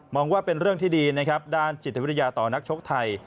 มองว่าเป็นเรื่องที่ดีด้านจิตวิริยาต่อนักชกไทย